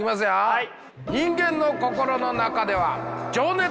はい。